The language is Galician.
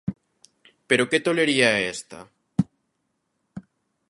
Pero que tolería é esta.